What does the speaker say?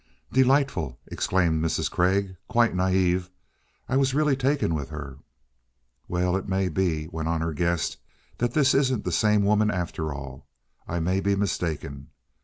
"Delightful!" exclaimed Mrs. Craig. "Quite naive. I was really taken with her." "Well, it may be," went on her guest, "that this isn't the same woman after all. I may be mistaken."